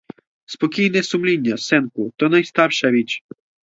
Спокійне сумління, синку — то найстарша річ.